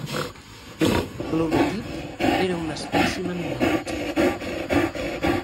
L'holotip era un espècimen mort.